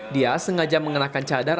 dia sengaja mengenakan cadar